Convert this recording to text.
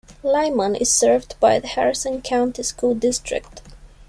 Lyman is served by the Harrison County School District.